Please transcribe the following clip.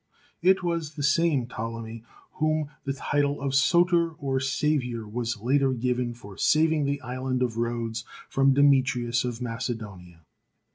It was the same Ptolemy to whom the title of Soter or Saviour was later given for saving the island of Rhodes from Demetrius of Macedonia.